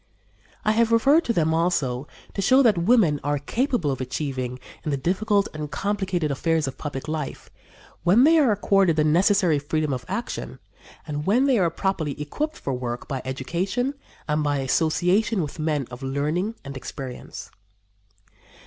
I have referred to them, also, to show what women are capable of achieving in the difficult and complicated affairs of public life, when they are accorded the necessary freedom of action and when they are properly equipped for work by education and by association with men of learning and experience.